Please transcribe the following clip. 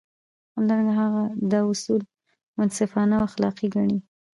همدارنګه هغه دا اصول منصفانه او اخلاقي ګڼي.